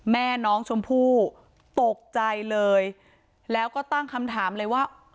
แม่น้องชมพู่ตกใจเลยแล้วก็ตั้งคำถามเลยว่า